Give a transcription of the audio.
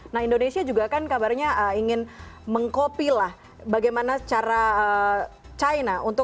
nah indonesia juga kan kabarnya ingin meng copy lah bagaimana cara china